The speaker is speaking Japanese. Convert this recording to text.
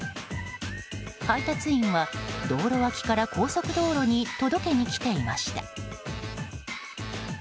配達員は、道路脇から高速道路に届けに来ていました。